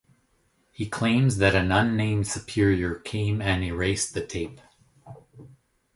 He claims that an unnamed superior came and erased the tape.